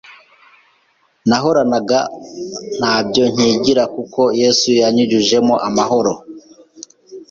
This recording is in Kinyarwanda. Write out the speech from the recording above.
nahoranaga ntabyo nkigira kuko Yesu yanyujujemo amahoro